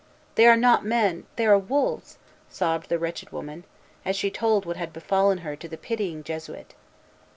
"They are not men, they are wolves!" sobbed the wretched woman, as she told what had befallen her to the pitying Jesuit.